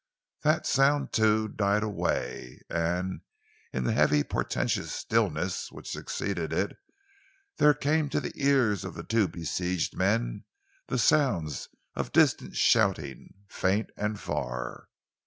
That sound, too, died away. And in the heavy, portentous stillness which succeeded it, there came to the ears of the two besieged men the sounds of distant shouting, faint and far.